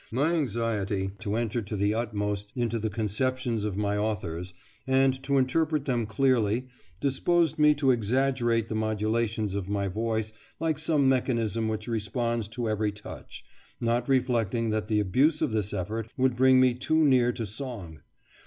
My anxiety to enter to the utmost into the conceptions of my authors, and to interpret them clearly, disposed me to exaggerate the modulations of my voice like some mechanism which responds to every touch, not reflecting that the abuse of this effort would bring me too near to song.